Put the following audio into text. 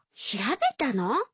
調べたの？